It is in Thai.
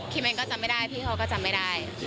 เองก็จำไม่ได้พี่เขาก็จำไม่ได้